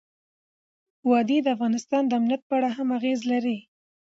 وادي د افغانستان د امنیت په اړه هم اغېز لري.